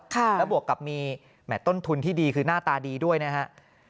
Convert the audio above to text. แล้วบวกกับมีแมทต้นทุนที่ดีคือหน้าตาดีด้วยนะฮะ